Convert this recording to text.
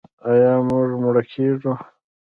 آیا موږ مړه کیږو؟